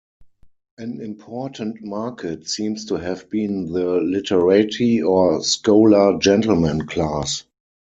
An important market seems to have been the "literati" or scholar-gentleman class.